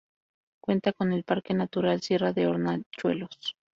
Cuenta con el Parque Natural 'Sierra de Hornachuelos'.